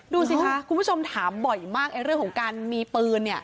ดูสิคะคุณผู้ชมถามบ่อยมากไอ้เรื่องของการมีปืนเนี่ย